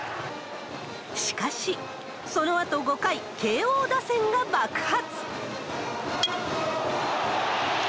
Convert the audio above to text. しかし、そのあと５回、慶応打線が爆発。